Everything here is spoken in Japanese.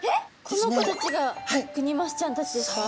この子たちがクニマスちゃんたちですか？